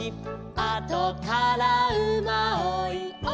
「あとからうまおいおいついて」